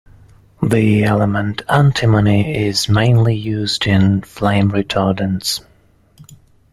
The element antimony is mainly used in flame retardants.